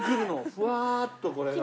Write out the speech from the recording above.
ふわーっとこれが。